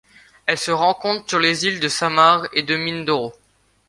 Elle se rencontre sur les îles de Samar et de Mindoro.